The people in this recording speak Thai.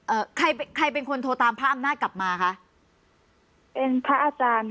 ใครใครเป็นคนโทรตามพระอำนาจกลับมาคะเป็นพระอาจารย์